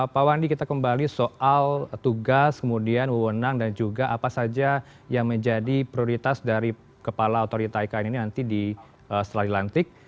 pak wandi kita kembali soal tugas kemudian wewenang dan juga apa saja yang menjadi prioritas dari kepala otorita ikn ini nanti setelah dilantik